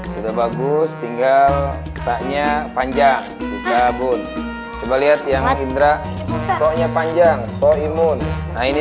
sudah bagus tinggal tanya panjang kita bun coba lihat yang indra soalnya panjang sohimun nah ini